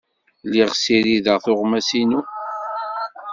Lliɣ ssirideɣ tuɣmas-inu.